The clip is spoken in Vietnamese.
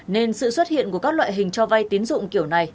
nên sự xuất hiện của các loại hình cho vay tiến dụng kiểu này